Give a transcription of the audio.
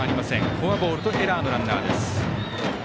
フォアボールとエラーのランナーです。